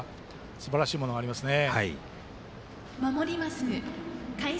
すばらしいものがありますね。